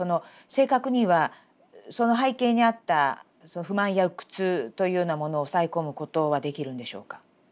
正確にはその背景にあった不満や鬱屈というようなものを抑え込むことはできるんでしょうか？